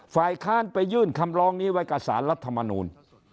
ฝ่ายค้านไปยื่นคำร้องนี้ไว้กับสารรัฐมนูล